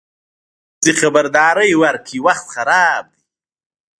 ښځه خبرداری ورکړ: وخت خراب دی.